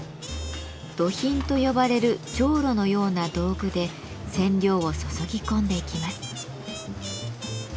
「どひん」と呼ばれるじょうろのような道具で染料を注ぎ込んでいきます。